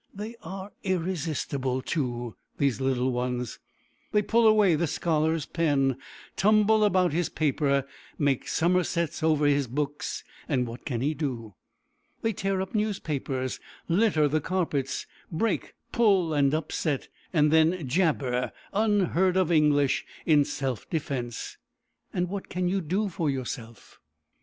They are irresistible, too, these little ones. They pull away the scholar's pen, tumble about his paper, make somersets over his books; and what can he do? They tear up newspapers, litter the carpets, break, pull, and upset, and then jabber unheard of English in self defense; and what can you do for yourself?